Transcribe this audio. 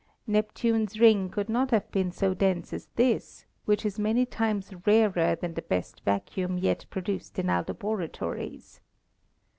Neptune's ring could not have been so dense as this, which is many times rarer than the best vacuum yet produced in our laboratories.